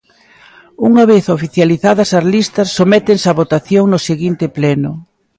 Unha vez oficializadas as listas sométense a votación no seguinte Pleno.